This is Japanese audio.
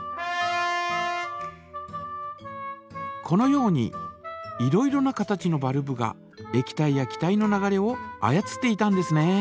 このようにいろいろな形のバルブがえき体や気体の流れを操っていたんですね。